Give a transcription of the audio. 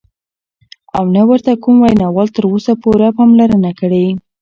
او نه ورته کوم وینا وال تر اوسه پوره پاملرنه کړې،